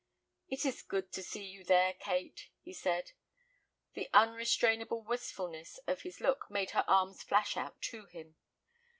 "It is good to see you there, Kate," he said. The unrestrainable wistfulness of his look made her arms flash out to him.